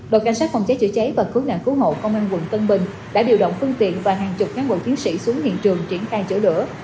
đội cảnh sát phòng cháy chữa cháy và cứu nạn cứu hộ công an quận tân bình đã điều động phương tiện và hàng chục cán bộ chiến sĩ xuống hiện trường triển khai chữa lửa